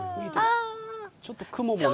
ちょっと雲もね。